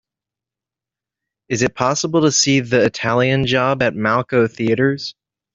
Is it possible to see The Italian Job at Malco Theatres